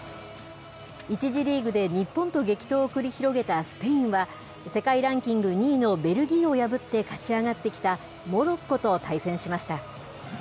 １次リーグで日本と激闘を繰り広げたスペインは、世界ランキング２位のベルギーを破って勝ち上がってきた、モロッコと対戦しました。